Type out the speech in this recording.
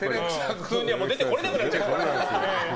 普通には出てこれなくなっちゃうから。